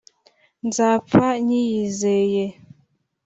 nzapfa nyiyizeye